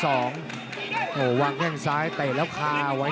โอ้โหวางแข้งซ้ายเตะแล้วคาเอาไว้